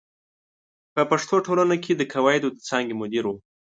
په پښتو ټولنه کې د قواعدو د څانګې مدیر و.